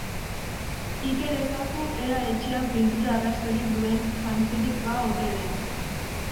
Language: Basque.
Iker ezazu ea etxean pintura-arrastorik duen jantzirik ba ote den.